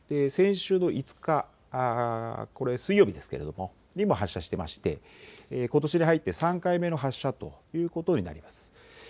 先週の５日、水曜日にも発射していましてことしに入って３回目の発射ということになります。